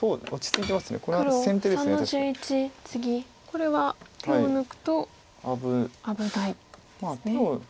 これは手を抜くと危ないですね。